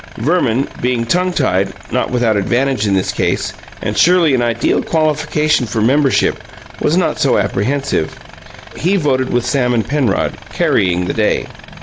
Verman, being tongue tied not without advantage in this case, and surely an ideal qualification for membership was not so apprehensive. He voted with Sam and Penrod, carrying the day.